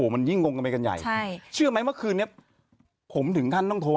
้มไปกันใหญ่ใช่เชื่อไหมเมื่อคืนเนี้ยผมถึงท่านต้องโทร